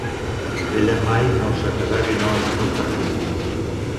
Ell mai no s'ha casat i no ha tingut cap fill.